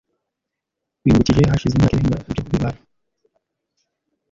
Binyibukije, hashize imyaka irenga ibyo bibaye.